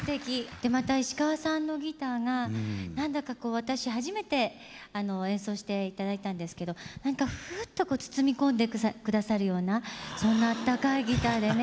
でまた石川さんのギターが何だかこう私初めて演奏していただいたんですけど何かふうっと包み込んでくださるようなそんなあったかいギターでね。